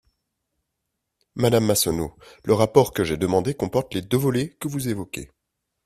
Madame Massonneau, le rapport que j’ai demandé comporte les deux volets que vous évoquez.